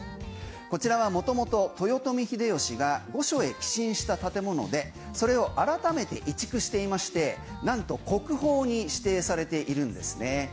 こちらは元々、豊臣秀吉が御所へ寄進した建物でそれを改めて移築していましてなんと、国宝に指定されているんですね。